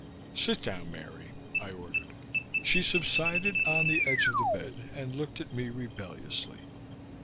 "Sit down, Mary!" I ordered. She subsided on the edge of the bed and looked at me rebelliously.